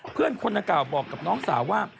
เพื่อนคนนางกล่าวบอกกับน้องสาวว่า